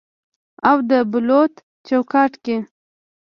او د بلوط چوکاټ کې